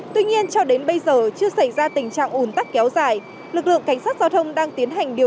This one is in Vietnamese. tuy nhiên cho đến bây giờ chưa xảy ra tình trạng ồn tắc kéo dài